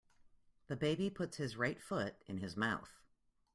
The baby puts his right foot in his mouth.